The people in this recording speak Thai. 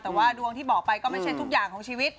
แต่ว่าดวงที่บอกไปก็ไม่ใช่ทุกอย่างของชีวิต